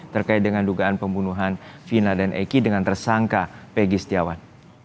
terkait dengan dugaan pembunuhan vina dan eki dengan tersangka pegi setiawan